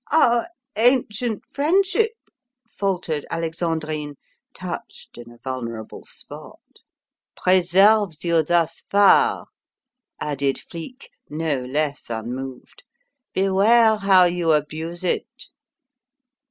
"Our ancient friendship" faltered Alexandrine, touched in a vulnerable spot. " preserves you thus far," added Flique, no less unmoved. "Beware how you abuse it!"